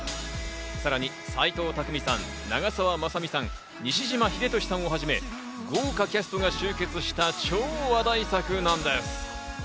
さらに斎藤工さん、長澤まさみさん、西島秀俊さんをはじめ、豪華キャストが集結した超話題作なんです。